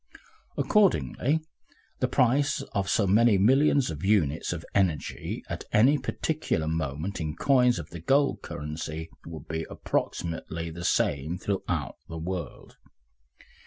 Accordingly, the price of so many millions of units of energy at any particular moment in coins of the gold currency would be approximately the same throughout the world.